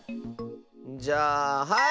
じゃあはい！